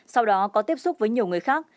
sau đó có tiếp xúc với nhiều người khác